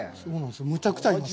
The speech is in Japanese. むちゃくちゃ合います。